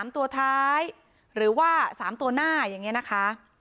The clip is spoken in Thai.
ตัวท้ายหรือว่า๓ตัวหน้าอย่างนี้นะคะ